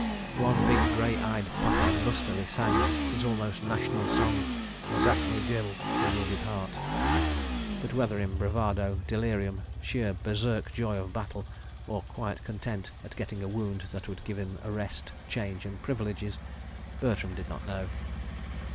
One big, grey eyed Pathan lustily sang his almost national song, "Zakhmi Dil"—"The Wounded Heart," but whether in bravado, delirium, sheer berserk joy of battle, or quiet content at getting a wound that would give him a rest, change and privileges, Bertram did not know.